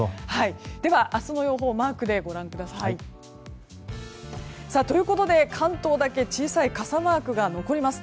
では明日の予報をマークでご覧ください。ということで、関東だけ小さい傘マークが残ります。